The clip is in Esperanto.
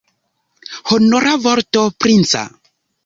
Honora vorto princa?